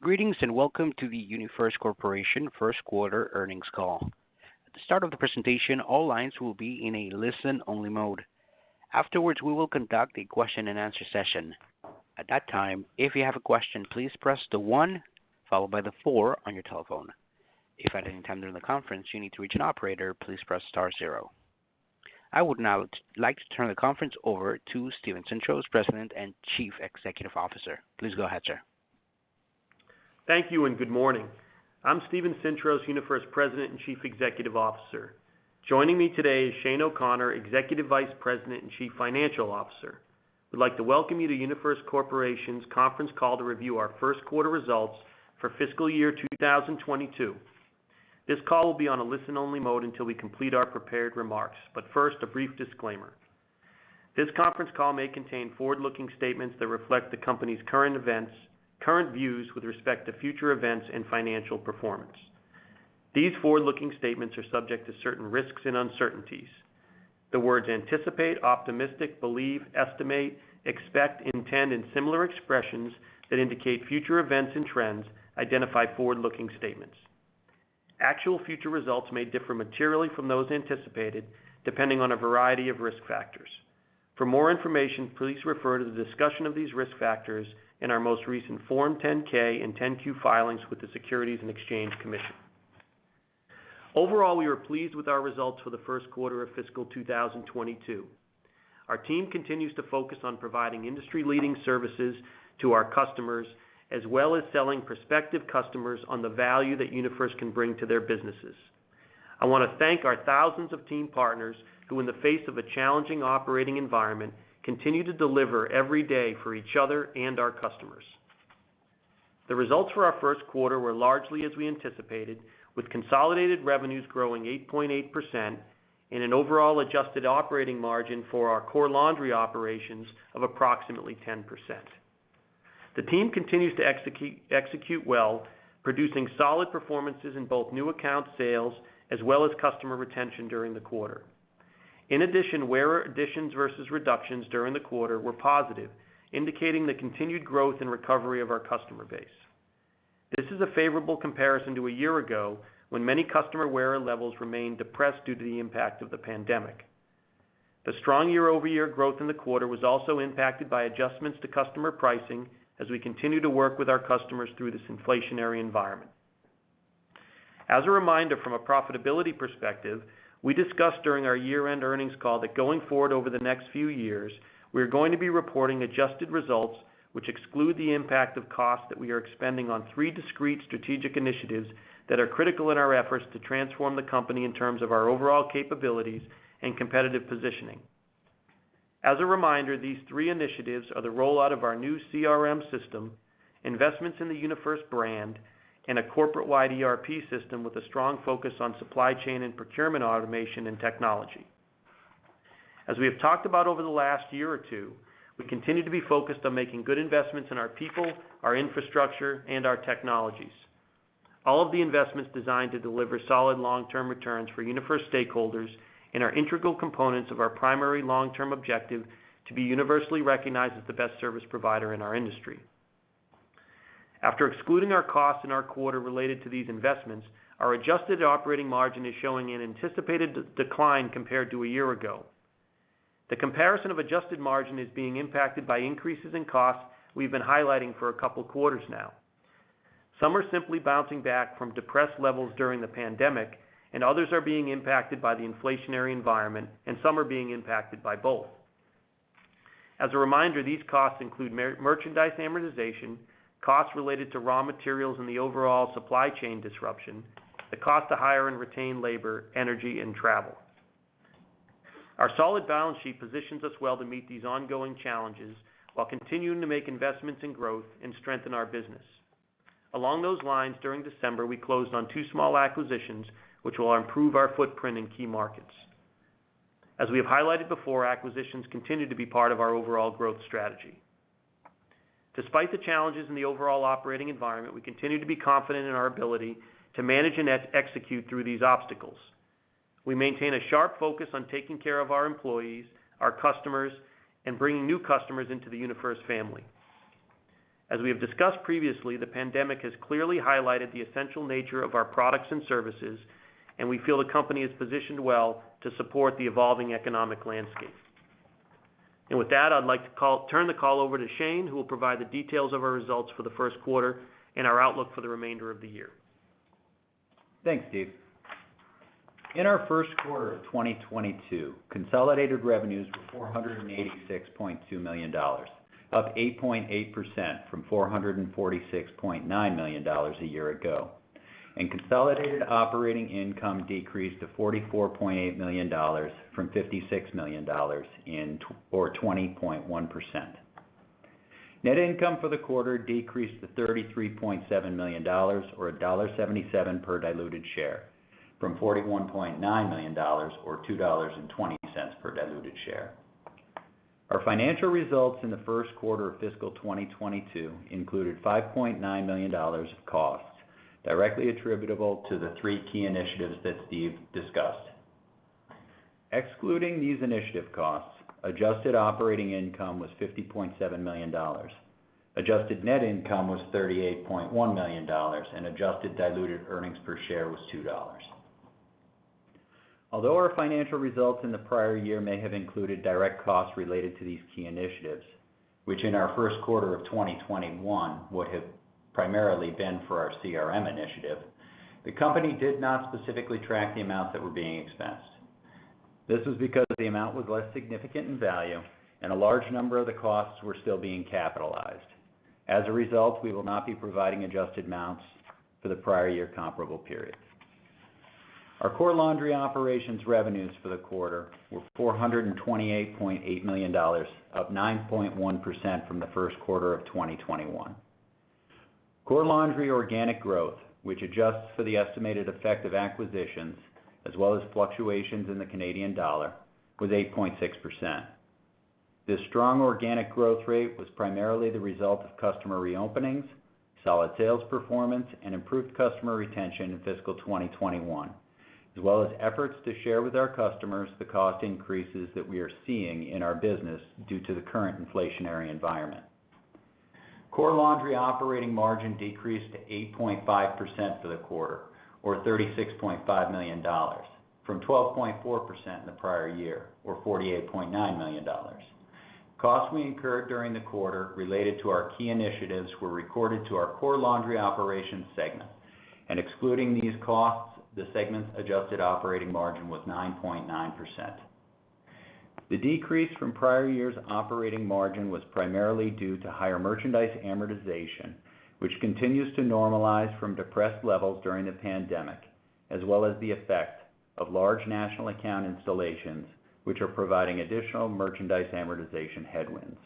Greetings, and welcome to the UniFirst Corporation first quarter earnings call. At the start of the presentation, all lines will be in a listen-only mode. Afterwards, we will conduct a question-and-answer session. At that time, if you have a question, please press the one followed by the four on your telephone. If at any time during the conference you need to reach an operator, please press star zero. I would now like to turn the conference over to Steven Sintros, President and Chief Executive Officer. Please go ahead, sir. Thank you, and good morning. I'm Steven Sintros, UniFirst President and Chief Executive Officer. Joining me today is Shane O'Connor, Executive Vice President and Chief Financial Officer. We'd like to welcome you to UniFirst Corporation's conference call to review our first quarter results for fiscal year 2022. This call will be on a listen-only mode until we complete our prepared remarks. First, a brief disclaimer. This conference call may contain forward-looking statements that reflect the company's current views with respect to future events and financial performance. These forward-looking statements are subject to certain risks and uncertainties. The words anticipate, optimistic, believe, estimate, expect, intend, and similar expressions that indicate future events and trends identify forward-looking statements. Actual future results may differ materially from those anticipated, depending on a variety of risk factors. For more information, please refer to the discussion of these risk factors in our most recent Form 10-K and 10-Q filings with the Securities and Exchange Commission. Overall, we are pleased with our results for the first quarter of fiscal 2022. Our team continues to focus on providing industry-leading services to our customers, as well as selling prospective customers on the value that UniFirst can bring to their businesses. I wanna thank our thousands of team partners who, in the face of a challenging operating environment, continue to deliver every day for each other and our customers. The results for our first quarter were largely as we anticipated, with consolidated revenues growing 8.8% and an overall adjusted operating margin for our Core Laundry Operations of approximately 10%. The team continues to execute well, producing solid performances in both new account sales as well as customer retention during the quarter. In addition, wearer additions versus reductions during the quarter were positive, indicating the continued growth and recovery of our customer base. This is a favorable comparison to a year ago, when many customer wearer levels remained depressed due to the impact of the pandemic. The strong year-over-year growth in the quarter was also impacted by adjustments to customer pricing as we continue to work with our customers through this inflationary environment. As a reminder, from a profitability perspective, we discussed during our year-end earnings call that going forward over the next few years, we are going to be reporting adjusted results, which exclude the impact of costs that we are expending on three discrete strategic initiatives that are critical in our efforts to transform the company in terms of our overall capabilities and competitive positioning. As a reminder, these three initiatives are the rollout of our new CRM system, investments in the UniFirst brand, and a corporate-wide ERP system with a strong focus on supply chain and procurement automation and technology. As we have talked about over the last year or two, we continue to be focused on making good investments in our people, our infrastructure, and our technologies. All of the investments designed to deliver solid long-term returns for UniFirst stakeholders and are integral components of our primary long-term objective to be universally recognized as the best service provider in our industry. After excluding our costs in our quarter related to these investments, our adjusted operating margin is showing an anticipated decline compared to a year ago. The comparison of adjusted margin is being impacted by increases in costs we've been highlighting for a couple quarters now. Some are simply bouncing back from depressed levels during the pandemic, and others are being impacted by the inflationary environment, and some are being impacted by both. As a reminder, these costs include merchandise amortization, costs related to raw materials and the overall supply chain disruption, the cost to hire and retain labor, energy, and travel. Our solid balance sheet positions us well to meet these ongoing challenges while continuing to make investments in growth and strengthen our business. Along those lines, during December, we closed on two small acquisitions, which will improve our footprint in key markets. As we have highlighted before, acquisitions continue to be part of our overall growth strategy. Despite the challenges in the overall operating environment, we continue to be confident in our ability to manage and execute through these obstacles. We maintain a sharp focus on taking care of our employees, our customers, and bringing new customers into the UniFirst family. As we have discussed previously, the pandemic has clearly highlighted the essential nature of our products and services, and we feel the company is positioned well to support the evolving economic landscape. With that, I'd like to turn the call over to Shane, who will provide the details of our results for the first quarter and our outlook for the remainder of the year. Thanks, Steve. In our first quarter of 2022, consolidated revenues were $486.2 million, up 8.8% from $446.9 million a year ago. Consolidated operating income decreased to $44.8 million from $56 million or 20.1%. Net income for the quarter decreased to $33.7 million or $1.77 per diluted share from $41.9 million or $2.20 per diluted share. Our financial results in the first quarter of fiscal 2022 included $5.9 million of costs directly attributable to the three key initiatives that Steve discussed. Excluding these initiative costs, adjusted operating income was $50.7 million. Adjusted net income was $38.1 million, and Adjusted Diluted Earnings Per Share was $2. Although our financial results in the prior year may have included direct costs related to these key initiatives, which in our first quarter of 2021 would have primarily been for our CRM initiative, the company did not specifically track the amounts that were being expensed. This was because the amount was less significant in value and a large number of the costs were still being capitalized. As a result, we will not be providing adjusted amounts for the prior year comparable periods. Our Core Laundry Operations revenues for the quarter were $428.8 million, up 9.1% from the first quarter of 2021. Core Laundry organic growth, which adjusts for the estimated effect of acquisitions as well as fluctuations in the Canadian dollar, was 8.6%. This strong organic growth rate was primarily the result of customer reopenings, solid sales performance, and improved customer retention in fiscal 2021, as well as efforts to share with our customers the cost increases that we are seeing in our business due to the current inflationary environment. Core Laundry operating margin decreased to 8.5% for the quarter, or $36.5 million, from 12.4% in the prior year, or $48.9 million. Costs we incurred during the quarter related to our key initiatives were recorded to our Core Laundry Operations segment, and excluding these costs, the segment's adjusted operating margin was 9.9%. The decrease from prior year's operating margin was primarily due to higher merchandise amortization, which continues to normalize from depressed levels during the pandemic, as well as the effect of large national account installations which are providing additional merchandise amortization headwinds.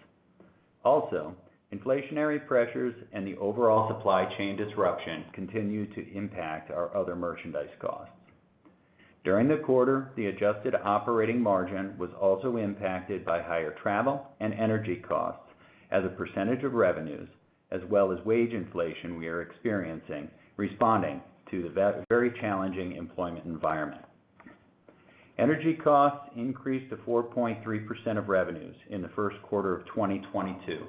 Also, inflationary pressures and the overall supply chain disruption continue to impact our other merchandise costs. During the quarter, the adjusted operating margin was also impacted by higher travel and energy costs as a percentage of revenues, as well as wage inflation we are experiencing responding to the very challenging employment environment. Energy costs increased to 4.3% of revenues in the first quarter of 2022,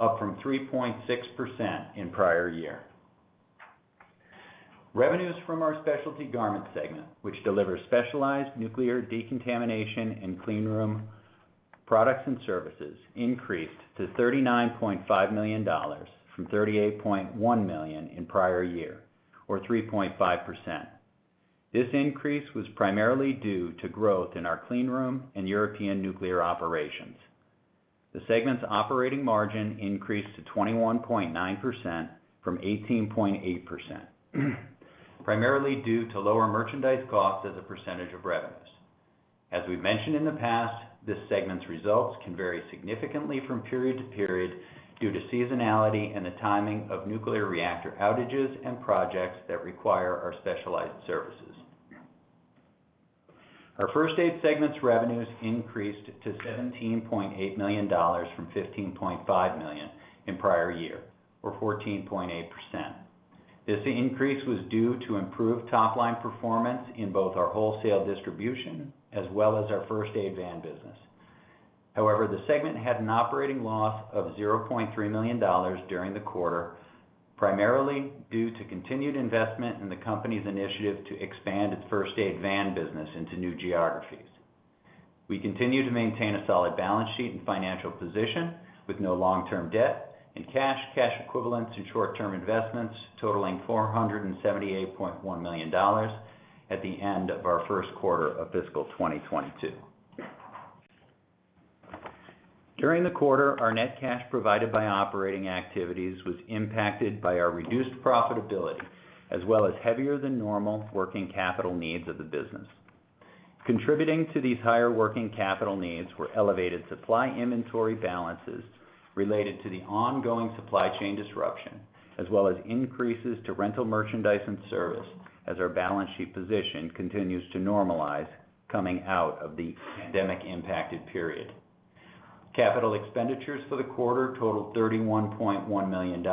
up from 3.6% in prior year. Revenues from our Specialty Garments segment, which delivers specialized nuclear decontamination and clean room products and services, increased to $39.5 million from $38.1 million in prior year, or 3.5%. This increase was primarily due to growth in our clean room and European nuclear operations. The segment's operating margin increased to 21.9% from 18.8%, primarily due to lower merchandise costs as a percentage of revenues. As we've mentioned in the past, this segment's results can vary significantly from period to period due to seasonality and the timing of nuclear reactor outages and projects that require our specialized services. Our First Aid segment's revenues increased to $17.8 million from $15.5 million in prior year, or 14.8%. This increase was due to improved top-line performance in both our wholesale distribution as well as our First Aid van business. However, the segment had an operating loss of $0.3 million during the quarter, primarily due to continued investment in the company's initiative to expand its First Aid van business into new geographies. We continue to maintain a solid balance sheet and financial position, with no long-term debt and cash equivalents, and short-term investments totaling $478.1 million at the end of our first quarter of fiscal 2022. During the quarter, our net cash provided by operating activities was impacted by our reduced profitability, as well as heavier than normal working capital needs of the business. Contributing to these higher working capital needs were elevated supply inventory balances related to the ongoing supply chain disruption, as well as increases to rental merchandise and service as our balance sheet position continues to normalize coming out of the pandemic-impacted period. Capital expenditures for the quarter totaled $31.1 million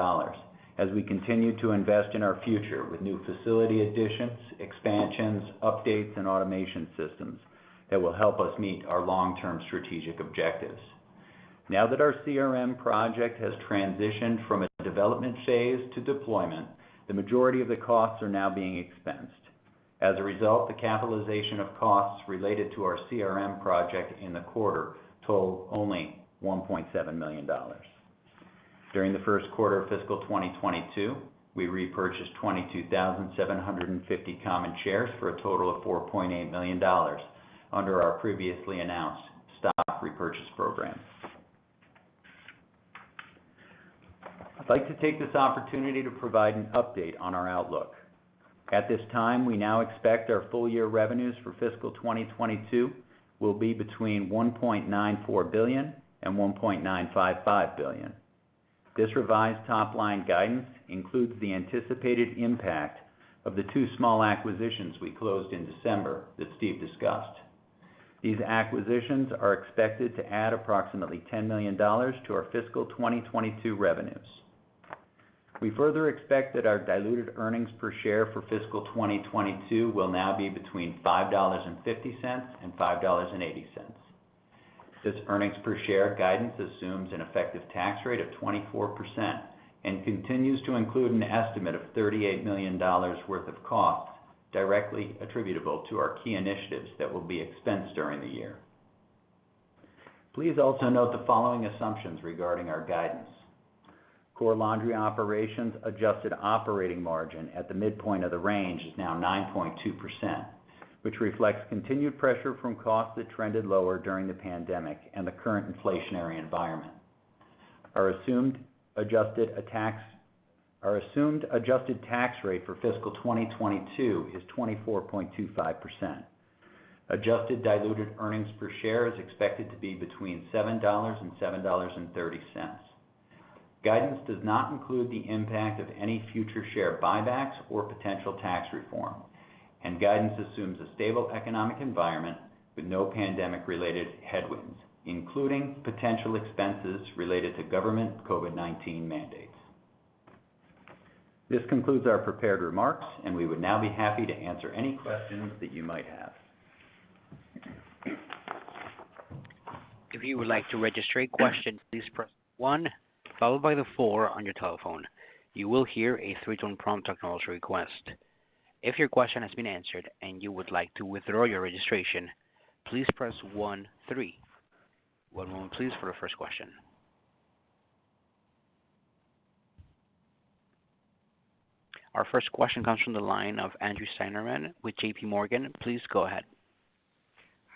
as we continue to invest in our future with new facility additions, expansions, updates, and automation systems that will help us meet our long-term strategic objectives. Now that our CRM project has transitioned from a development phase to deployment, the majority of the costs are now being expensed. As a result, the capitalization of costs related to our CRM project in the quarter total only $1.7 million. During the first quarter of fiscal 2022, we repurchased 22,750 common shares for a total of $4.8 million under our previously announced stock repurchase program. I'd like to take this opportunity to provide an update on our outlook. At this time, we now expect our full-year revenues for fiscal 2022 will be between $1.94 billion and $1.955 billion. This revised top-line guidance includes the anticipated impact of the two small acquisitions we closed in December that Steve discussed. These acquisitions are expected to add approximately $10 million to our fiscal 2022 revenues. We further expect that our diluted earnings per share for fiscal 2022 will now be between $5.50 and $5.80. This earnings per share guidance assumes an effective tax rate of 24% and continues to include an estimate of $38 million worth of costs directly attributable to our key initiatives that will be expensed during the year. Please also note the following assumptions regarding our guidance. Core Laundry Operations adjusted operating margin at the midpoint of the range is now 9.2%, which reflects continued pressure from costs that trended lower during the pandemic and the current inflationary environment. Our assumed adjusted tax rate for fiscal 2022 is 24.25%. Adjusted Diluted Earnings Per Share is expected to be between $7 and $7.30. Guidance does not include the impact of any future share buybacks or potential tax reform, and guidance assumes a stable economic environment with no pandemic-related headwinds, including potential expenses related to government COVID-19 mandates. This concludes our prepared remarks, and we would now be happy to answer any questions that you might have. If you would like to register a question, please press one followed by the four on your telephone. You will hear a three-tone prompt acknowledging the request. If your question has been answered and you would like to withdraw your registration, please press one three. One moment, please, for the first question. Our first question comes from the line of Andrew Steinerman with JPMorgan. Please go ahead.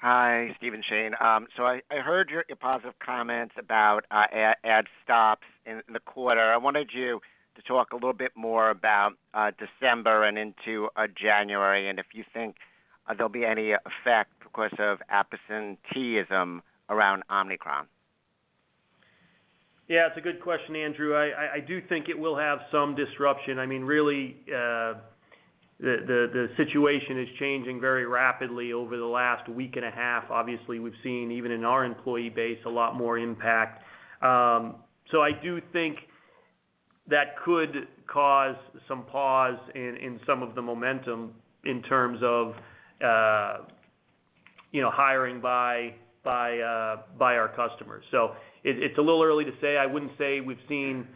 Hi, Steven and Shane. I heard your positive comments about add stops in the quarter. I wanted you to talk a little bit more about December and into January and if you think there'll be any effect because of absenteeism around Omicron. Yeah, it's a good question, Andrew. I do think it will have some disruption. I mean, really, the situation is changing very rapidly over the last week and a half. Obviously, we've seen even in our employee base a lot more impact. So I do think that could cause some pause in some of the momentum in terms of, you know, hiring by our customers. So it's a little early to say. I wouldn't say we've seen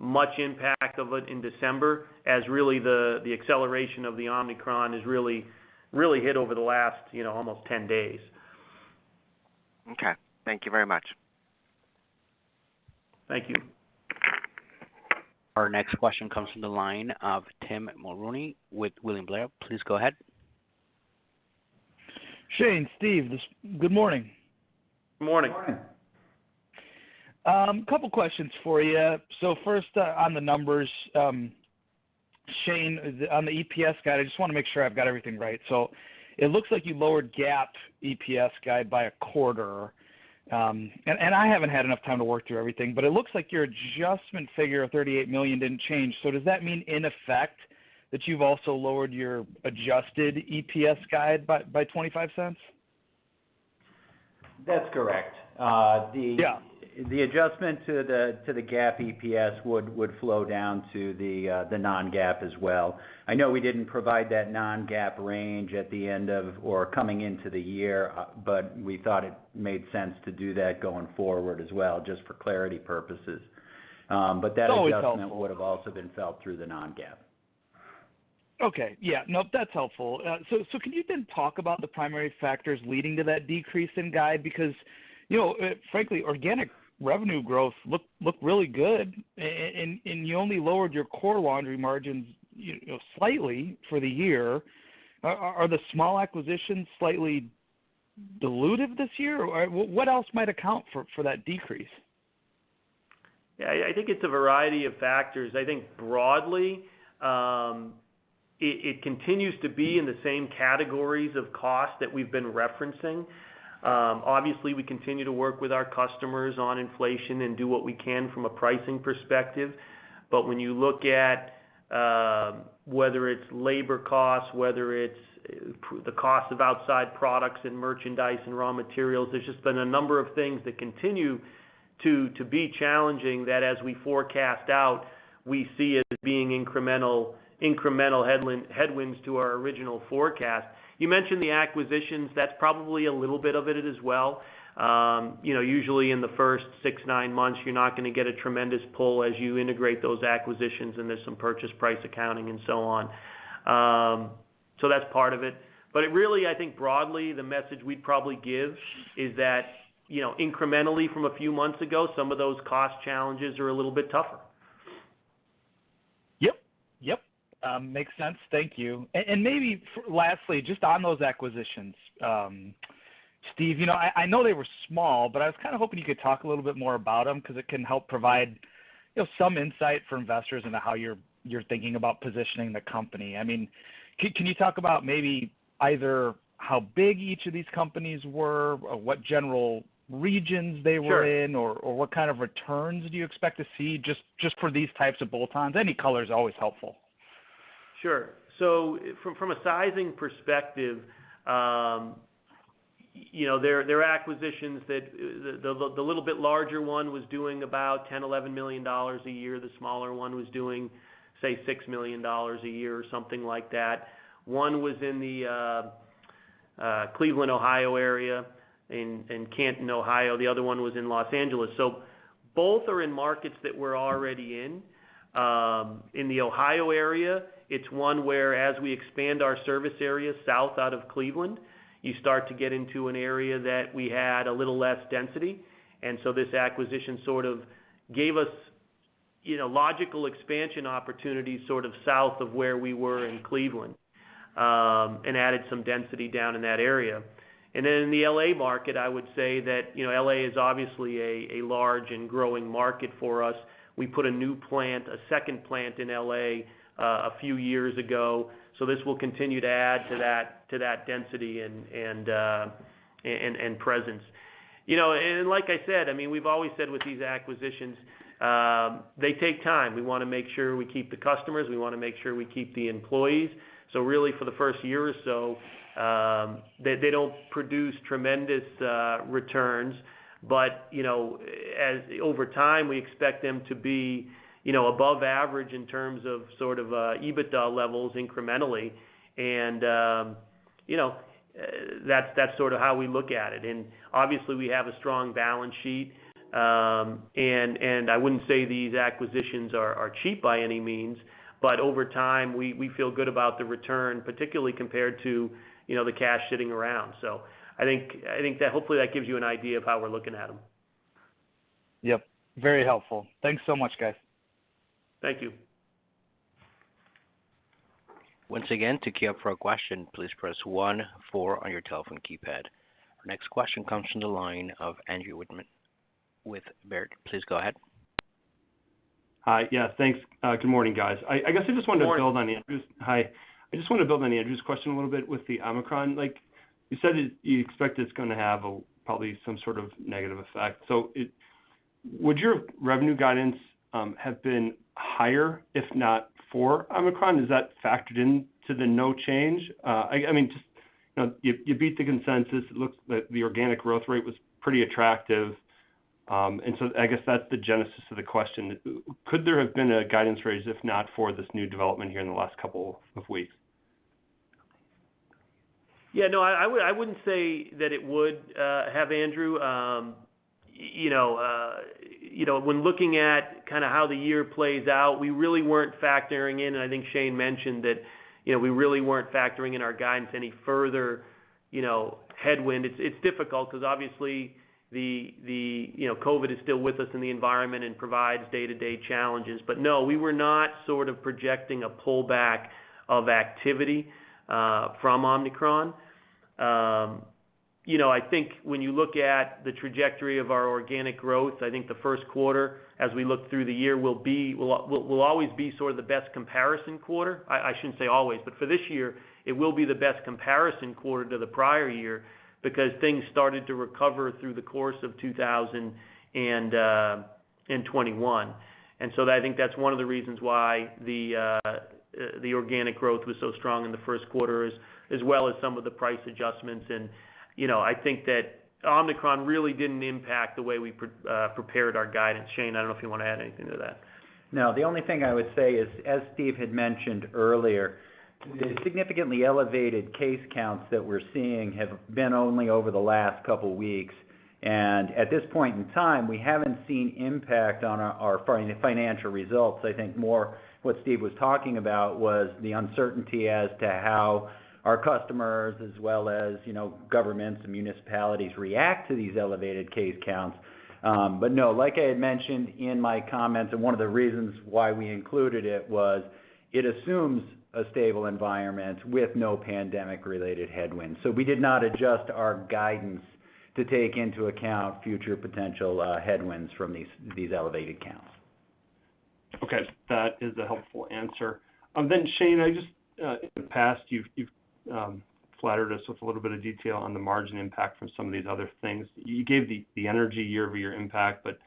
much impact of it in December as really the acceleration of the Omicron has really hit over the last, you know, almost 10 days. Okay. Thank you very much. Thank you. Our next question comes from the line of Tim Mulrooney with William Blair. Please go ahead. Shane, Steve, good morning. Morning. Morning. A couple questions for you. First, on the numbers, Shane, on the EPS guide, I just wanna make sure I've got everything right. It looks like you lowered GAAP EPS guide by a quarter. And I haven't had enough time to work through everything, but it looks like your adjustment figure of $38 million didn't change. Does that mean in effect that you've also lowered your Adjusted EPS guide by $0.25? That's correct. Yeah. The adjustment to the GAAP EPS would flow down to the non-GAAP as well. I know we didn't provide that non-GAAP range at the end of or coming into the year, but we thought it made sense to do that going forward as well, just for clarity purposes, but that- It's always helpful. Adjustment would have also been felt through the non-GAAP. Okay. Yeah. Yep, that's helpful. Can you then talk about the primary factors leading to that decrease in guide? Because, you know, frankly, organic revenue growth looked really good, and you only lowered your Core Laundry margins, you know, slightly for the year. Are the small acquisitions slightly dilutive this year? Or what else might account for that decrease? Yeah. I think it's a variety of factors. I think broadly, it continues to be in the same categories of costs that we've been referencing. Obviously, we continue to work with our customers on inflation and do what we can from a pricing perspective. When you look at whether it's labor costs, whether it's the cost of outside products and merchandise and raw materials, there's just been a number of things that continue to be challenging that as we forecast out, we see it as being incremental headwinds to our original forecast. You mentioned the acquisitions, that's probably a little bit of it as well. You know, usually in the first six, nine months, you're not gonna get a tremendous pull as you integrate those acquisitions, and there's some purchase price accounting and so on. That's part of it. Really, I think broadly, the message we'd probably give is that, you know, incrementally from a few months ago, some of those cost challenges are a little bit tougher. Yep. Makes sense. Thank you. Maybe lastly, just on those acquisitions, Steve, you know, I know they were small, but I was kind of hoping you could talk a little bit more about them because it can help provide, you know, some insight for investors into how you're thinking about positioning the company. I mean, can you talk about maybe either how big each of these companies were or what general regions they were in? Sure. What kind of returns do you expect to see just for these types of bolt-ons? Any color is always helpful. Sure. From a sizing perspective, you know, they're acquisitions that the little bit larger one was doing about $10 million-$11 million a year. The smaller one was doing, say, $6 million a year or something like that. One was in the Cleveland, Ohio area, in Canton, Ohio, the other one was in Los Angeles. Both are in markets that we're already in. In the Ohio area, it's one where as we expand our service area south out of Cleveland, you start to get into an area that we had a little less density. This acquisition sort of gave us, you know, logical expansion opportunities sort of south of where we were in Cleveland, and added some density down in that area. In the L.A. market, I would say that, you know, L.A. is obviously a large and growing market for us. We put a new plant, a second plant in L.A. a few years ago, so this will continue to add to that density and presence. You know, and like I said, I mean, we've always said with these acquisitions, they take time. We wanna make sure we keep the customers. We wanna make sure we keep the employees. Really for the first year or so, they don't produce tremendous returns. Over time, we expect them to be, you know, above average in terms of sort of EBITDA levels incrementally. You know, that's sort of how we look at it. Obviously, we have a strong balance sheet. I wouldn't say these acquisitions are cheap by any means, but over time, we feel good about the return, particularly compared to, you know, the cash sitting around. I think that hopefully that gives you an idea of how we're looking at them. Yep. Very helpful. Thanks so much, guys. Thank you. Once again, to queue up for a question, please press one-four on your telephone keypad. Our next question comes from the line of Andrew Wittmann with Baird. Please go ahead. Hi. Yeah, thanks. Good morning, guys. I guess I just wanted to build- Morning. Hi. I just want to build on Andrew's question a little bit with the Omicron. Like you said, you expect it's gonna have probably some sort of negative effect. Would your revenue guidance have been higher, if not for Omicron? Is that factored into the no change? I mean, just, you know, you beat the consensus. It looks like the organic growth rate was pretty attractive. I guess that's the genesis of the question. Could there have been a guidance raise, if not for this new development here in the last couple of weeks? Yeah, no. I wouldn't say that it would have, Andrew. You know, when looking at kind of how the year plays out, we really weren't factoring in, and I think Shane mentioned that, you know, we really weren't factoring in our guidance any further, you know, headwind. It's difficult because obviously the you know, COVID is still with us in the environment and provides day-to-day challenges. But no, we were not sort of projecting a pullback of activity from Omicron. You know, I think when you look at the trajectory of our organic growth, I think the first quarter as we look through the year will always be sort of the best comparison quarter. I shouldn't say always, but for this year, it will be the best comparison quarter to the prior year because things started to recover through the course of 2021. I think that's one of the reasons why the organic growth was so strong in the first quarter, as well as some of the price adjustments. You know, I think that Omicron really didn't impact the way we prepared our guidance. Shane, I don't know if you wanna add anything to that. No. The only thing I would say is, as Steve had mentioned earlier, the significantly elevated case counts that we're seeing have been only over the last couple weeks. At this point in time, we haven't seen impact on our financial results. I think more what Steve was talking about was the uncertainty as to how our customers, as well as, you know, governments and municipalities react to these elevated case counts. No, like I had mentioned in my comments, and one of the reasons why we included it was it assumes a stable environment with no pandemic-related headwinds. We did not adjust our guidance to take into account future potential headwinds from these elevated counts. Okay. That is a helpful answer. Shane, I just, in the past, you've flattered us with a little bit of detail on the margin impact from some of these other things. You gave the energy year-over-year impact, but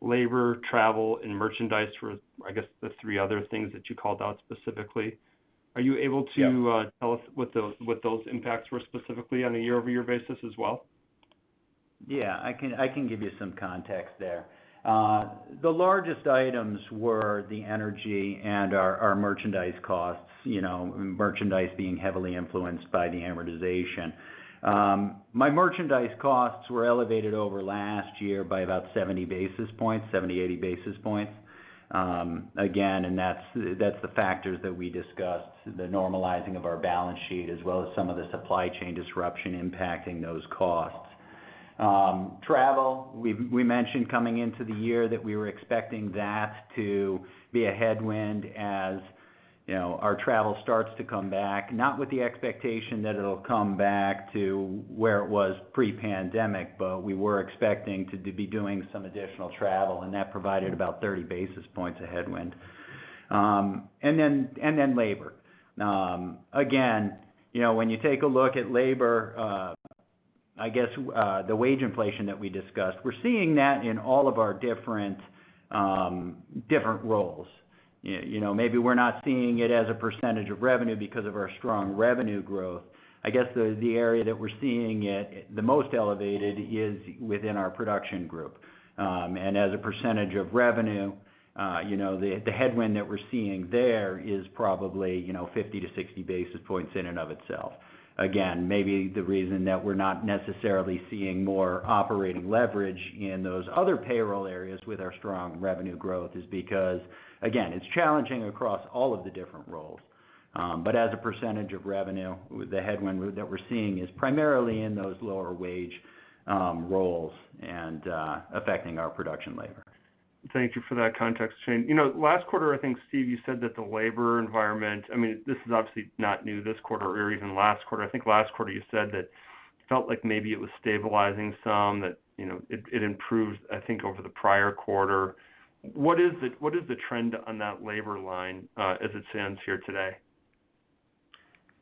labor, travel, and merchandise were, I guess, the three other things that you called out specifically. Are you able to? Yeah. Tell us what those impacts were specifically on a year-over-year basis as well? Yeah. I can give you some context there. The largest items were the energy and our merchandise costs, you know, merchandise being heavily influenced by the amortization. My merchandise costs were elevated over last year by about 70 basis points-80 basis points. Again, that's those factors that we discussed, the normalizing of our balance sheet, as well as some of the supply chain disruption impacting those costs. Travel, we've mentioned coming into the year that we were expecting that to be a headwind as, you know, our travel starts to come back, not with the expectation that it'll come back to where it was pre-pandemic, but we were expecting to be doing some additional travel, and that provided about 30 basis points of headwind. Then labor. Again, you know, when you take a look at labor, I guess, the wage inflation that we discussed, we're seeing that in all of our different roles. You know, maybe we're not seeing it as a percentage of revenue because of our strong revenue growth. I guess the area that we're seeing it the most elevated is within our production group. As a percentage of revenue, you know, the headwind that we're seeing there is probably, you know, 50 basis points-60 basis points in and of itself. Again, maybe the reason that we're not necessarily seeing more operating leverage in those other payroll areas with our strong revenue growth is because, again, it's challenging across all of the different roles. As a percentage of revenue, the headwind that we're seeing is primarily in those lower wage roles and affecting our production labor. Thank you for that context, Shane. You know, last quarter I think, Steve, you said that the labor environment, I mean, this is obviously not new this quarter or even last quarter. I think last quarter you said that it felt like maybe it was stabilizing some, that, you know, it improved, I think over the prior quarter. What is the trend on that labor line, as it stands here today?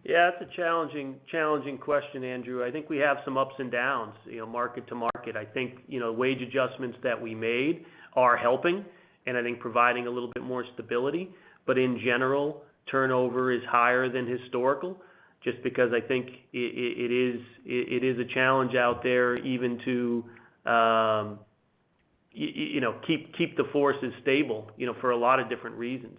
Yeah, it's a challenging question, Andrew. I think we have some ups and downs, you know, market-to-market. I think, you know, wage adjustments that we made are helping and I think providing a little bit more stability. But in general, turnover is higher than historical just because I think it is a challenge out there even to you know, keep the workforce stable, you know, for a lot of different reasons.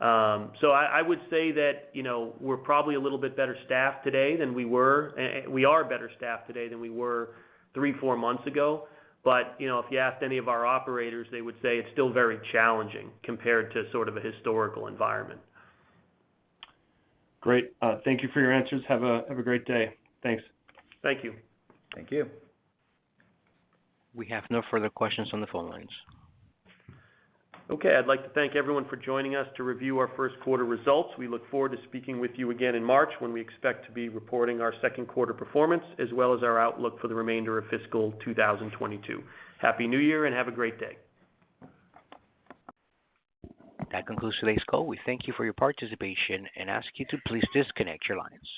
I would say that, you know, we're probably a little bit better staffed today than we were. And we are better staffed today than we were three, four months ago. If you asked any of our operators, they would say it's still very challenging compared to sort of a historical environment. Great. Thank you for your answers. Have a great day. Thanks. Thank you. Thank you. We have no further questions on the phone lines. Okay. I'd like to thank everyone for joining us to review our first quarter results. We look forward to speaking with you again in March when we expect to be reporting our second quarter performance, as well as our outlook for the remainder of fiscal 2022. Happy New Year and have a great day. That concludes today's call. We thank you for your participation and ask you to please disconnect your lines.